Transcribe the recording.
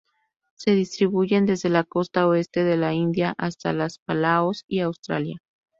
Se distribuyen desde la costa oeste de la India hasta las Palaos y Australia.